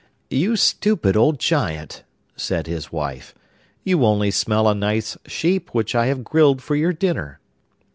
'You stupid old Giant,' said his wife, 'you only smell a nice sheep, which I have grilled for your dinner.